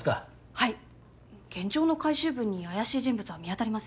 はい現状の回収分に怪しい人物は見当たりません。